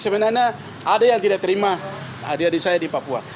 sebenarnya ada yang tidak terima hadiah saya di papua